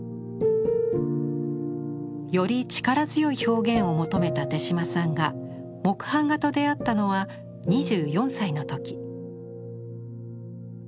より力強い表現を求めた手島さんが「木版画」と出会ったのは２４歳の時。